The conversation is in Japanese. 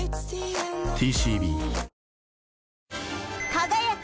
輝く！